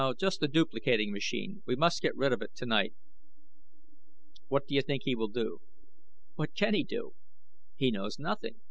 Just the duplicating machine. We must get rid of it tonight." "What do you think he will do?" "What can he do? He knows nothing.